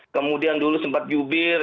kemudian dulu sempat jubir